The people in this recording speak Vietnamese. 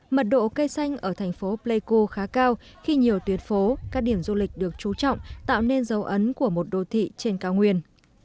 mật độ cây xanh ở thành phố pleiku khá cao khi nhiều tuyến phố các điểm du lịch được trú trọng tạo nên dấu ấn của một đô thị trên cao nguyên